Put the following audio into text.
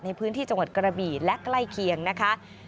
ในพื้นที่จังหวัดกระบี่และใกล้เคียงนะคะ